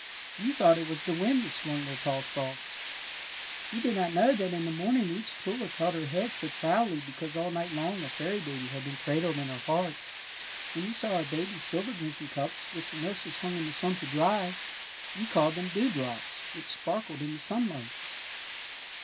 You thought it was the wind that swung their tall stalks. You did not know that in the morning each tulip held her head so proudly because all night long a fairy baby had been cradled in her heart. *^ When you saw our babies' silver drinking cups which the nurses hung in the sun to dry, you called them dewdrops which sparkled in the sunlight.''